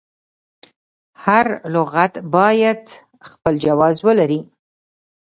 هر لغت باید خپل جواز ولري.